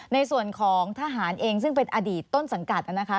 ในส่วนของทหารเองซึ่งเป็นอดีตต้นสังกัดนะคะ